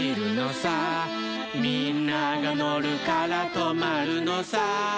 「みんながのるからとまるのさ」